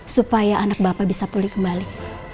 supaya anak bapak bisa pulih kembali